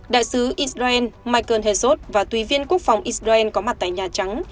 đại sứ israel michael hezo và tùy viên quốc phòng israel có mặt tại nhà trắng